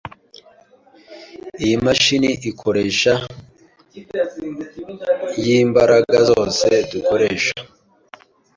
Iyi mashini ikoresha yimbaraga zose dukoresha.